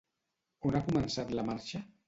On ha començat la marxa?